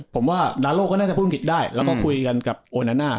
ผมว่าดาโลก็น่าจะพูดผิดได้แล้วก็คุยกันกับโอนาน่า